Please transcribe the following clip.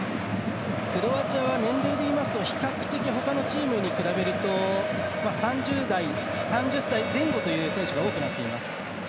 クロアチアは年齢でいいますと比較的、ほかのチームに比べると３０代、３０歳前後という選手が多くなっています。